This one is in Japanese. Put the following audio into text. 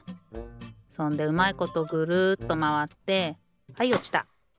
そんでうまいことぐるっとまわってはいおちた。